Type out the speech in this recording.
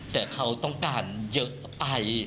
แต่เขาต้องการเยอะไอ